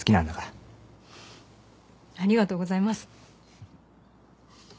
ありがとうございます。